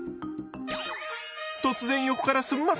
突然横からすんません。